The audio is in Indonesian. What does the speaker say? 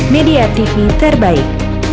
media tv terbaik